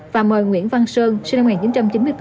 và mời nguyễn văn sơn sinh năm một nghìn chín trăm chín mươi bốn